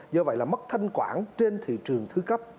do vậy là mất thanh khoản trên thị trường thứ cấp